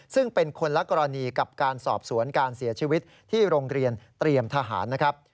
ซึ่งเป็นคนละกรณีกับการสอบสวนการเสียชีวิตที่โรงเรียนเตรียมทหารนะครับ